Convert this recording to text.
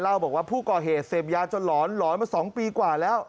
บอกว่าผู้ก่อเหตุเสพยาจนหลอนหลอนมา๒ปีกว่าแล้ว